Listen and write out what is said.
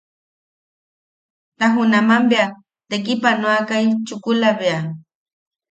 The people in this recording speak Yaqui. Ta junaman bea tekipanoakai chukula bea.